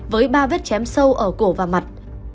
với ba vết chém sâu ở cổ và mặt